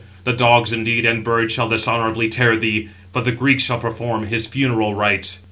The dogs, indeed, and birds shall dishonourably tear thee, but the Greeks shall perform his funeral rites."